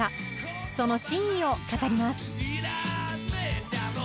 その真意を語ります！